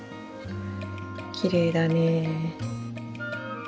きれいだね。